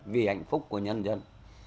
vì hạnh phúc của nhân dân